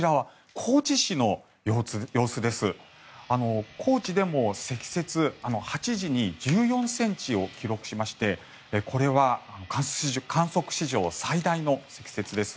高知でも積雪８時に１４ｃｍを記録しましてこれは観測史上最大の積雪です。